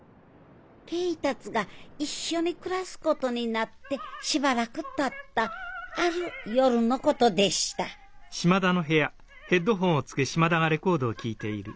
恵達が一緒に暮らすことになってしばらくたったある夜のことでした何だ？